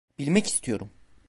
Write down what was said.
Bilmek istiyorum.